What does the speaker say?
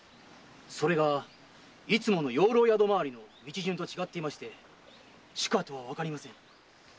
それがいつもの養老宿回りの道順と違っていましてしかとはわかりません。